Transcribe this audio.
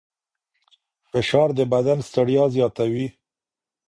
فشار د بدن ستړیا زیاتوي.